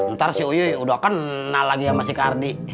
ntar si uy udah kenal lagi sama si kardi